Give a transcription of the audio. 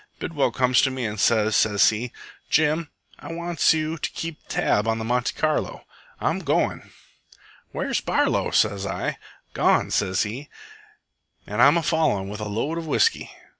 Bidwell comes to me an' sez, sez he, 'Jim, I wants you to keep tab on the Monte Carlo. I'm goin'.' "'Where's Barlow?' sez I. 'Gone,' sez he, 'an' I'm a followin' with a load of whisky.'